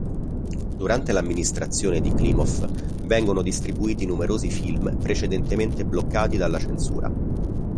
Durante l'amministrazione di Klimov vengono distribuiti numerosi film precedentemente bloccati dalla censura.